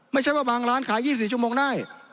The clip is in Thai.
ไม่ใช่ว่าบางร้านขาย๒๔ชั่วโมงได้